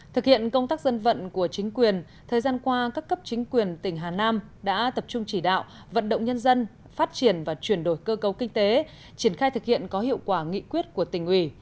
thực hiện công tác dân vận của chính quyền thời gian qua các cấp chính quyền tỉnh hà nam đã tập trung chỉ đạo vận động nhân dân phát triển và chuyển đổi cơ cấu kinh tế triển khai thực hiện có hiệu quả nghị quyết của tỉnh ủy